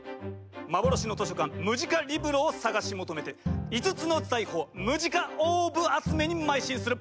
幻の図書館「ムジカリブロ」を捜し求めて５つの財宝「ムジカオーブ」集めに邁進するベルカント号！